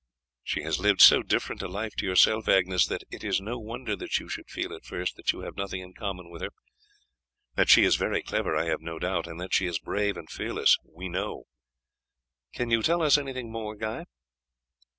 "She has lived so different a life to yourself, Agnes, that it is no wonder that you should feel at first that you have nothing in common with her. That she is very clever I have no doubt, and that she is brave and fearless we know. Can you tell us anything more, Guy?"